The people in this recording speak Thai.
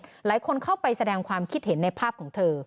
หลายคนเข้าไปแสดงความคิดเห็นในภาพของเธอ